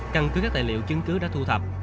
căn cứ các tài liệu chứng cứ đã thu thập